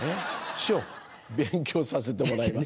師匠勉強させてもらいますから。